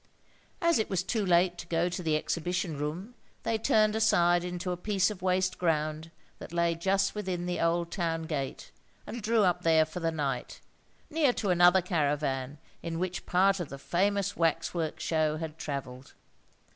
As it was too late to go to the exhibition room, they turned aside into a piece of waste ground that lay just within the old town gate, and drew up there for the night, near to another caravan in which part of the famous wax work show had travelled.